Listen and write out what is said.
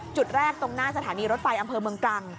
จุดแรกตรงหน้าสถานีรถไฟอำเภอเมืองตรัง